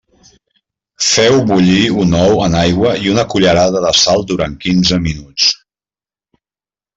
Feu bullir un ou en aigua i una cullerada de sal durant quinze minuts.